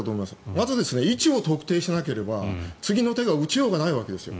まず位置を特定しなければ次の手が打ちようがないわけですよ。